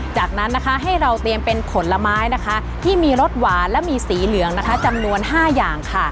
จากนั้นนะคะให้เราเตรียมเป็นผลไม้นะคะที่มีรสหวานและมีสีเหลืองนะคะจำนวน๕อย่างค่ะ